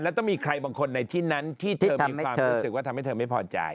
แล้วต้องมีใครบางคนในที่นั้นที่เธอมีความรู้สึกว่าทำให้เธอไม่พอใจ